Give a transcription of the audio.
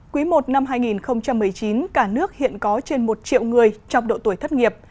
quý i năm hai nghìn một mươi chín cả nước hiện có trên một triệu người trong độ tuổi thất nghiệp